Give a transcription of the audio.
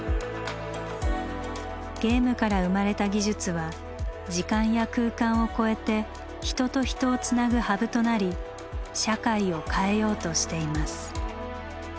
ゲームから生まれた技術は時間や空間を超えて人と人をつなぐハブとなり社会を変えようとしています。